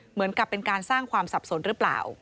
เหมือนกับเป็นการสร้างความสับสนหรือเปล่า